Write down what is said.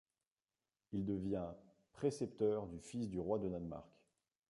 Il devient précepteur du fils du roi de Danemark.